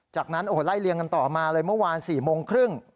จากนั้นโอ้โหไล่เลี่ยงกันต่อมาเลยเมื่อวาน๔โมงครึ่ง